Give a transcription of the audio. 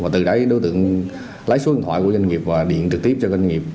và từ đấy đối tượng lấy số điện thoại của doanh nghiệp và điện trực tiếp cho doanh nghiệp